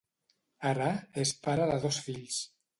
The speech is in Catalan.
Ara, és pare de dos fills.